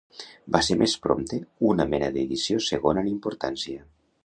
Va ser més prompte una mena d'edició segona en importància.